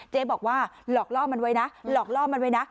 บอกว่าหลอกล่อมันไว้นะหลอกล่อมันไว้นะ